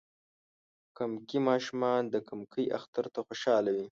کمکي ماشومان د کمکی اختر ته خوشحاله وی.